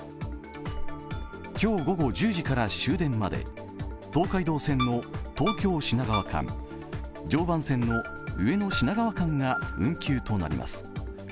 今日午後１０時から終電まで東海道線の東京−品川間、常磐線の上野−品川間が運休となります。